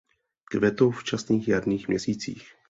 Kvetou v časných jarních měsících.